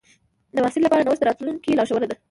د محصل لپاره نوښت د راتلونکي لارښوونه ده.